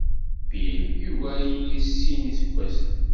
Bill yugar-iyi s sin iseggasen.